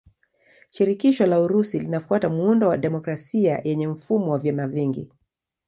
Shirikisho la Urusi linafuata muundo wa demokrasia yenye mfumo wa vyama vingi.